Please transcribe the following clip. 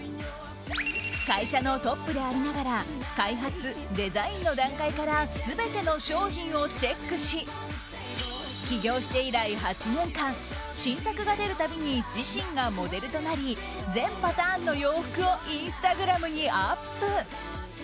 会社のトップでありながら開発、デザインの段階から全ての商品をチェックし起業して以来８年間新作が出るたびに自身がモデルとなり全パターンの洋服をインスタグラムにアップ。